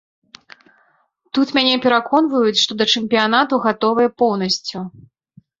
Тут мяне пераконваюць, што да чэмпіянату гатовыя поўнасцю.